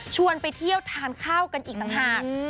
ไปเที่ยวทานข้าวกันอีกต่างหาก